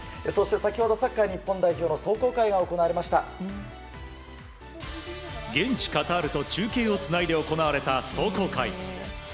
先ほどサッカー日本代表の現地カタールと中継をつないで行われた壮行会。